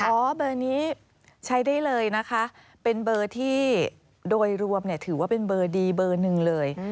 อ๋อเบอร์นี้ใช้ได้เลยนะคะเป็นเบอร์ที่โดยรวมถือว่าเป็นเบอร์ดีเบอร์หนึ่งเลย